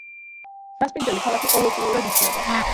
მასპინძელი ქალაქი ყოველწლიურად იცვლება.